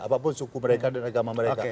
apapun suku mereka dan agama mereka